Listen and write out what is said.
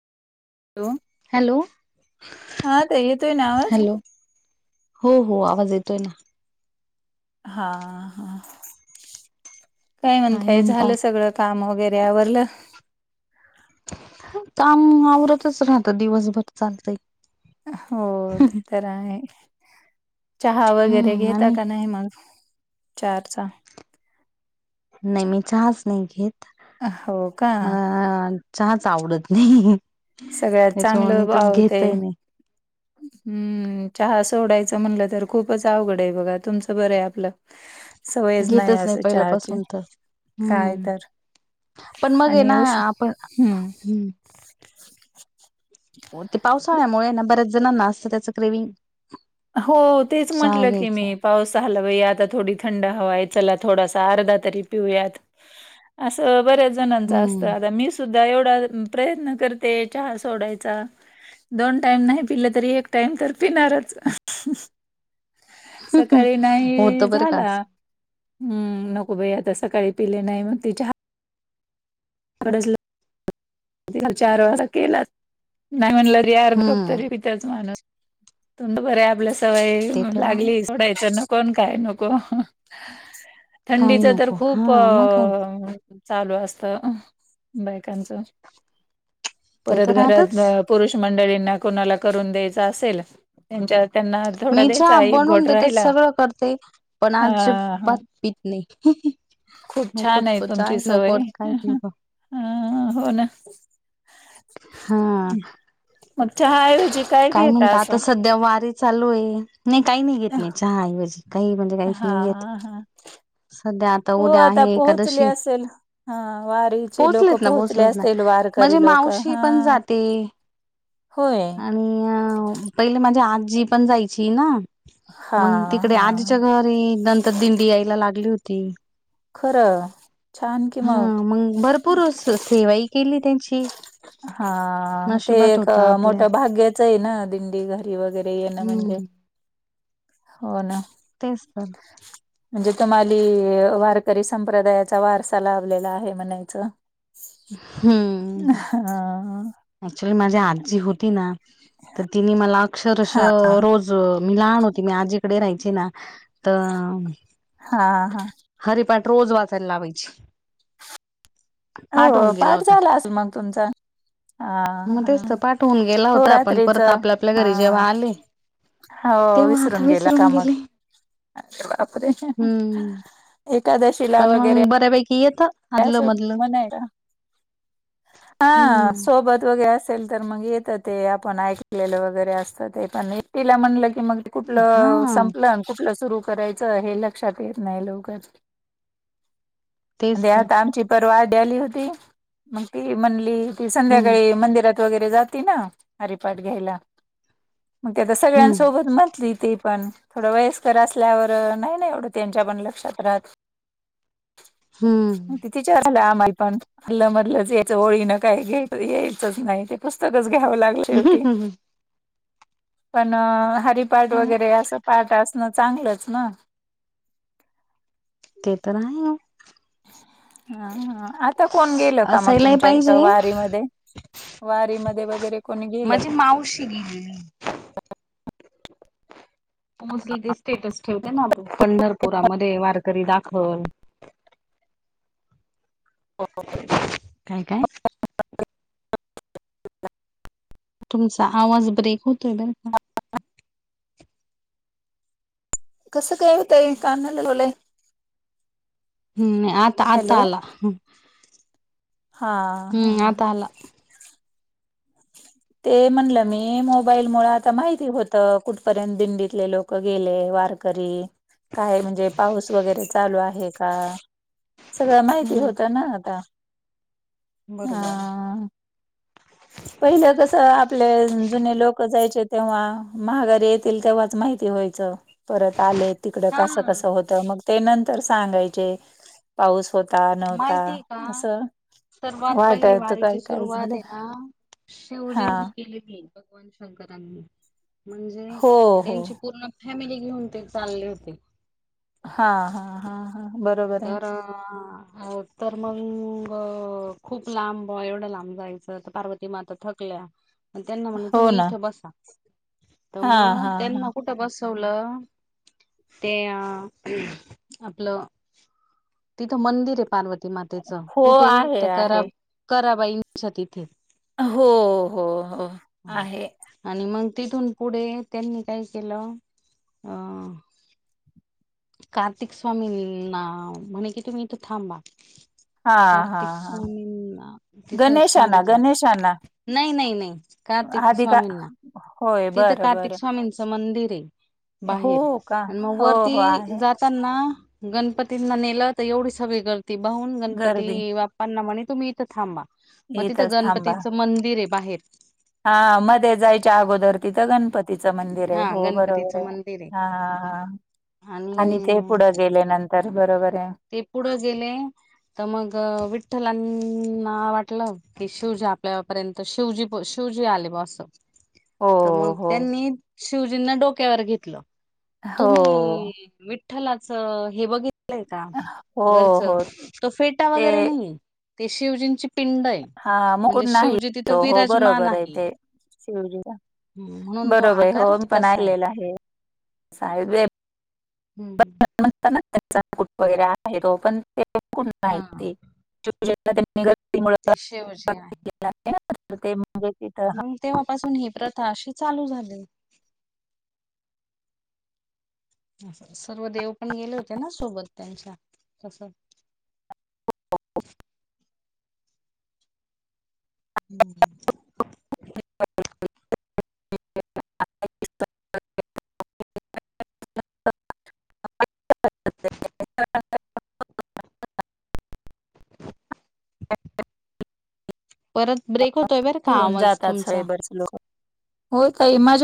हो, हॅलो हा, ताई येतोय, नावाज. हॅलो हो हो आवाज येतोय ना. हा, हा, काय म्हणताय? झालं सगळं? काम वगैरे आवरलं. काम आवरतच राहतं, दिवसभर चालतंय. हो ते तर आहे. चहा वगैरे हम्म घेता आणि का नाही मग चारचा? नाही, मी चहाच नाही घेत हो का मला. चहाच आवडत नाही, सगळ्यात त्याच्यामुळे मी चांगलं तर भाव ते घेतही नाही. हम्म, चहा सोडायचं म्हटलं तर खूपच अवघड आहे बघा. तुमचं बरं आहे आपलं. सवयच घेतच नाही असं चहाची पहिल्यापासून तर, काय हम्म. तर पण मग ये आणि ना उष्ण आपण हम्म हं. हो, ते पावसाळ्यामुळे ना, बऱ्याच जणांना त्याचं ग्रेविंग. हो तेच म्हंटलं की मी. पाऊस झाला, पाया आता थोडी थंड हवा आहे. चला, थोडासा अर्धा तरी पिऊयात. असं बऱ्याच जणांचं असतं, हम्म आता मी. सुद्धा एवढा प्रयत्न करते चहा सोडायचा. दोन टाइम नाही पिले तरी, एक टाइम तर पिणारच. सकाळी होत नाही बरं का झाला. असं हम नको बाई आता सकाळी पिले नाही म्हनती चहा. [unintelligible] चार वाजता केला नाही म्हणलं रे अर्धकप हम्म तरी पीते. तेच माणूस तुड बर आपल्या सवय ते तर आहे लागली सोडायच नको. कोण काय नको काही थंडीच तर नको हा खूप मग काय अ- चालू असत बायकांचं. ते परत तर घरात राहतच पुरुष मंडळींना कोणाला करून द्यायच असेल. त्यांच्या त्यांना, थोडा मी चहा द्यायचा एक बनवून घोट देते राहिला सगळं करते, पण हा हा अजीबात पीत नाही. खूप छान नकोच आहे तो चहा तुमची नको सवय काही नको ह हो ना. हा मग चहा ऐवजी काय घेता असं? त्या वारे चालू आहे. नाही काही नाही घेत मी चहा ऐवजी काही म्हणजे काहीच हा नाही घेत. हा संध्या - हो आता पोहोचले असेल, हा वारीचे लोक पोहोचलेत ना पोहोचले पोहोचलेत ना असेल वार- माझी करी लोक मावशी पण हा. जाते होय- आणि पहिले माझ्या आजी पण जायची ना, हा मग तिकडे आजीच्या हा घरात - मी नंतर दिंडी यायला लागली होती. खरं. छान कि हा मग मग भरपूर सेवाही केली त्यांची. हा... ते नशिबात एक अ होता आपल्या मोठं भाग्याच आहे ना दिंडी घरी वगैरे येणं म्हणजे. हम्म हो ना तेच तर म्हणजे तुम्हाली वारकरी संप्रदायाचा वारसा लावलेला आहे म्हणायचं. हम्म हां अक्च्युली माझी आजी होती ना, तर तिने मला अक्षरश रोज- मी लहान होती मी, आजीकडे राहायचे ना तर- हा हा हरीपाठ रोज वाचायला लावायची. होऊन हो गेला पाठ होता झालास मग तुमचा. हा मग हा तेच तर पाठ होऊन गेला हो होता पण रात्रीच परत आपल्या आपल्या हा. घरी जेव्हा आले हो तेव्हा आता विसरून गेला का मग, गेले अरे बापरे! हम्म एकादशी. पण मग बऱ्यापैकी येत. आदलं [unintelligible] मधलं म्हनाय का हा हम्म सोबत वगैरे- असलं तर मग येत ते आपण ऐकलेलं वगैरे असत ते पणीला म्हणलं की मग- कुठलं हा संपलं कुठलं सुरु करायचं हे लक्षात येत नाही लवकर. तेच म्हणजे तर आता आमची परवा आडी आली होती, मग ती म्हणली हो त हम्म संध्याकाळी मंदिरात- वगैरे जाते ना हरिपाठ घ्यायला. मग ते आता हम्म सगळ्यांसोबत म्हटली ते पण. थोडं वयस्कर असल्यावर नाही ना एवढं त्यांच्या पण लक्षांत राहत. हम्म मग ती तिच्या झाल्या आमई पण [inaudible] हल्लं म्हधलंच याचं ओळीनं काय घ्या यायचंच नाही ते पुस्तकच घ्यावं लागत. शेवटी, पण हरिपाठ हा, वगैरे असं पाठ असतं - ना चांगलंच ना ते तर आहे हा हा आ आता कोण गेलं का मग असायलाही तुमच्या इथं पाहिजे वारी मध्ये, वारी मध्ये वगैरे कोणी गेलं का? ग [inaudible] मोजली ते स्टेटस ठेवते ना, पंढरपुरामध्ये वारकरी दाखल. काय काय [inaudible] तुमचा आवाज ब्रेक होतोय बरं का. कसं काय हो ताई कानाला लवलंय, हम्म आता आता हॅलो आला हम. हा हा आता हा आला ते म्हणलं मी मोबाईल मु आ- आता माहिती होत कुठपर्यंत दिंडीतले लोक गेले वारकरी. काय म्हणजे पाऊस वगैरे चालू आहे का? सगळ माहिती हम्म होता ना आता हा.. बरोबर पहिलं कसं आपले जुने लोक जायचे तेव्हा महागारीे येतील तेव्हाच माहिती ते व्हायच परत आले तिकडं हा कस कसं होत मग ते नंतर सांगायचे. पाऊस होता नव्हता माहितीय का असं- सर्वात पहिले वाटायचं वारीची काही काही सुरुवात झालं एका. हा शिवलिंग केली मी भगवान शंकरांनी. म्हणजे हो हो त्यांची पूर्ण फॅमिली घेऊन ते चालले होते. हा हा हा हा बरोबर हो आहे तर तर मग खूप लांब एवढं लांब जायचं तर परत- ते मग आता थकल्या त्यांना म्हण हो तुम्ही ना इथं बसा, तर हां, मग हां, त्यांना हां. कुठ- कुठं बसवलं ते आपलं, तिथं मंदिर आहे पार्वती मातेच हो, कुठे आहे, तर करा आहे. कराबाईं- तीथे हो हो हो ह आहे. आणि मग तिथून पुढे त्यांनी काय केलं अ- कार्तिक स्वामींना म्हणे की तुम्ही इथ थांबा. हा हा कार्तिक हा स्वामींना तिथं गणेशा ना सांगितलं गणेशा ना नाही नाही नाही कार्तिक स्वामींना. होय, तिथ बरं, कार्तिक बरं. स्वामींच मंदिर आहे बाहेर, हो का? आणि मग हो, हो, वरती, आहे. ना गणपतींना नेलं तर एवढी सगळी गर्ती बहून गणपती- गर्दी तेन्हा म्हणे तुम्ही इथं थांबा मग तिथं इथंच गणपतीचं मंदिर आहे बाहेर- हा मध्ये जायच्या अगोदर तिथं गणपती- तिच मंदिर आहे हा हो बरोबर गणपतीचं आहे मंदिर हा ह- आणि ते पुढं गेले नंतर बरोबर आहे. ते पुढं गेले. तर मग विठ्ठलांना वाटलं की शिवज आपल्यापर्यंत- तर शिवजी शिवजी आले म असं- हो, तर मग हो, त्यांनी शिवजींना डोक्यावर घेतलं. हो, तुम्ही विठ्ठलाच हे बघित- हो, वरच हो. तो फेटा ते वगैरे नाहीये ते शिवजींची- पिंड आहे हां, मुकुट म्हणजे, नाही शिवजी तिथं तो. हो, विराजमान बरोबर आहे. ते. शिवजी का. हम्म, म्हणून तो बरोबर आहे आकार होन पण तसा आहिलेला आहे साब- हम् ता ना त्यांचा कुट वगैरे आहे र पण तेुठ हा माहि [inaudible] मु [inaudible] ते शिवजी ते म्हे [inaudible] तेव्हापासून ही प्रथा अशी चालू झाली. सर्व देव पण गेले होते ना सोबत त्यांच्या तस- [inaudible] हम्म हां [inaudible] [unintelligible] परत ब्रेक होतोय बरं का घेऊन आवाज तुमचा? हो ताई माझ्या-